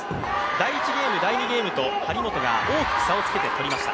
第１ゲーム、第２ゲームと張本が大きく差をつけてとりました。